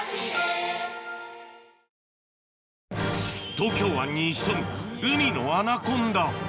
東京湾に潜む海のアナコンダ